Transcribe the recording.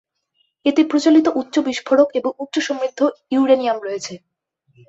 এতে প্রচলিত উচ্চ বিস্ফোরক এবং উচ্চ সমৃদ্ধ ইউরেনিয়াম রয়েছে।